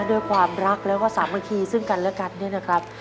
ด้วยความรักแล้วก็สามัคคีซึ่งกันและกันเนี่ยนะครับ